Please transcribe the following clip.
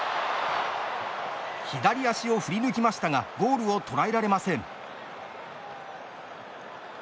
左足を振り抜きましたがゴールをとらえられません。